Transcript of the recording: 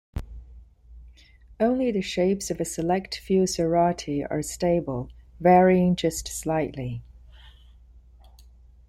Only the shapes of a select few sarati are stable, varying just slightly.